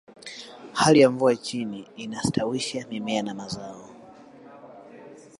hali ya mvua nchini inastawisha mimea na mazao